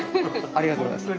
ありがとうございます。